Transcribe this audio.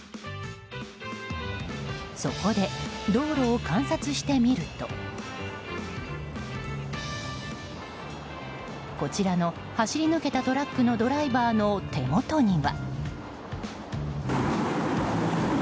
そこで、道路を観察してみるとこちらの走り抜けたトラックのドライバーの手元には。